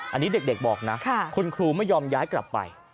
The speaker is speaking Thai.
อันนี้เด็กบอกนะคุณครูไม่ยอมย้ายกลับไป